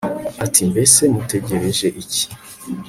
ati mbese mutegereje iki